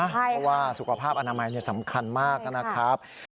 เพราะว่าสุขภาพอนามัยสำคัญมากนะครับ